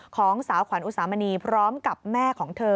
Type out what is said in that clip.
ของสาวขวัญอุสามณีพร้อมกับแม่ของเธอ